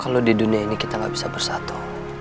kalau di dunia ini kita nggak bisa bersatu